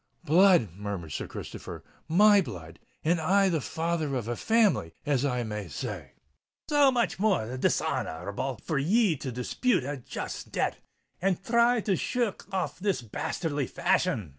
"Blood!" murmured Sir Christopher: "my blood! and I the father of a family, as I may say." "So much the more dishonour r able for ye to dispute a just debt, and thry to shir rk off in this bastely fashion!"